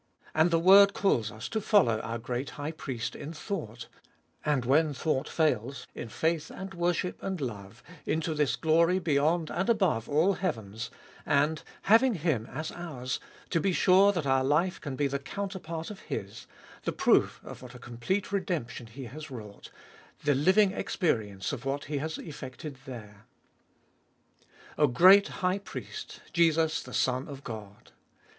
And the word calls us to follow our great High Priest in thought, and when thought fails, in faith and worship and love, into this glory beyond and above all heavens, and, having Him as ours, to be sure that our life can be the counter part of His, the proof of what a complete redemption He has wrought, the living experience of what he has effected there. A great High Priest, Jesus the Son of God.